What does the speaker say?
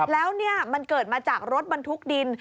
แล้วมันเกิดมาจากรถบนทุกดิน